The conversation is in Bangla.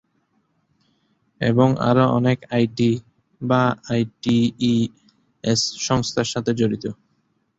এবং আরও অনেক আইটি/আইটিইএস সংস্থার সাথে জড়িত।